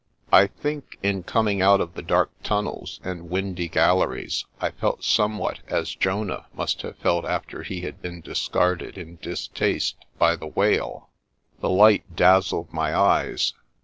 I think, in coming out of the dark tunnels and windy galleries, I felt somewhat as Jonah must have felt after he had been discarded in distaste by the whale. The light dazzled my eyes.